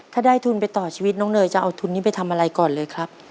ถ้าได้ทุนไปต่อชีวิตน้องเนยจะเอาทุนนี้ไปทำอะไรก่อนเลยครับ